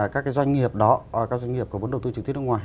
các doanh nghiệp đó các doanh nghiệp có vốn đầu tư trực tiếp nước ngoài